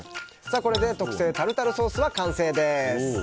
これで特製タルタルソース完成です。